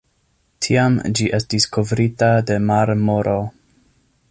Tiam ĝi estis kovrita je marmoro.